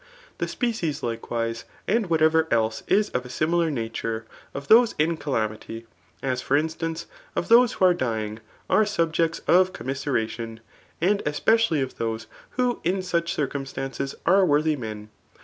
The species^ likewise, and wbatevar else is of a ^milar nature, of those in calamity^ as for instahcf^ of f hoae wbo are dyixigi are subjects of cotnmi^e^tion ; and especi^Uyof chose yfho in such eirciLin3taoi::es tfd wottby mea.